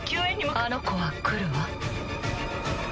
あの子は来るわ。